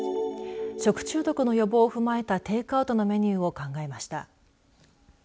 食中毒の予防を踏まえたテイクアウトのメニューを考えました。